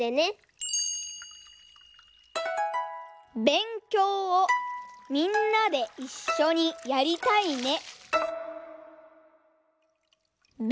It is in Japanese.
「べんきょうをみんなで一緒にやりたいね」。